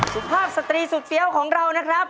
สุภาพสตรีสุดเฟี้ยวของเรานะครับ